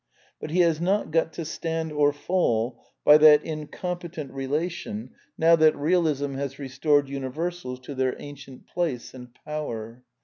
But he has not got to stand or fall by that incompetent relation now that Eealism has restored universals to their ancient place and power.